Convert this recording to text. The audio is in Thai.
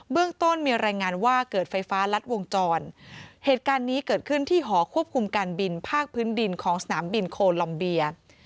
เรื่องต้นมีรายงานว่าเกิดไฟฟ้ารัดวงจรเหตุการณ์นี้เกิดขึ้นที่หอควบคุมการบินภาคพื้นดินของสนามบินโคลอมเบีย